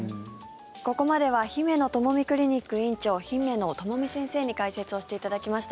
ここまではひめのともみクリニック院長姫野友美先生に解説していただきました。